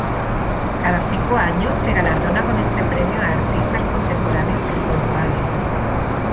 Cada cinco años se galardona con este premio a artistas contemporáneos en Wiesbaden.